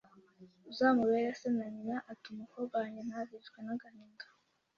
uzamubere se na nyina, ati umukobwa wanjye ntazicwe n’agahinda